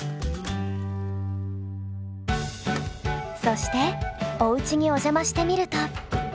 そしておうちにお邪魔してみると。